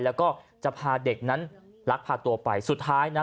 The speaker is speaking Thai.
แล้วก็จะพาเด็กนั้นลักพาตัวไปสุดท้ายนะ